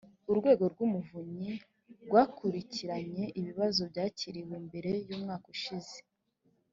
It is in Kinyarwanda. urwego rw’umuvunyi rwakurikiranye ibibazo byakiriwe mbere y’umwaka ushize